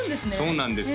そうなんです